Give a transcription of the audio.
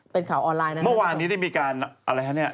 เป็นข่าวออนไลน์นะครับมันว่านี้ได้มีการอะไรนะครับ